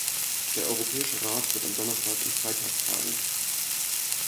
Der Europäische Rat wird am Donnerstag und Freitag tagen.